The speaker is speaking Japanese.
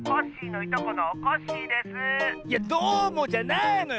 いや「どうも」じゃないのよ！